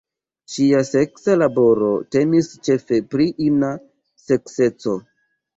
Ŝia seksa laboro temis ĉefe pri ina sekseco.